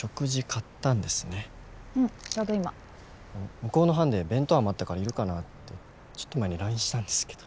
向こうの班で弁当余ったから要るかなってちょっと前にＬＩＮＥしたんですけど。